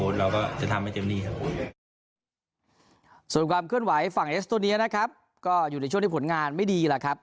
ส่วนความเคลื่อนไหวฝั่งเอสตัวนี้นะครับก็อยู่ในช่วงที่ผลงานไม่ดีแหละครับ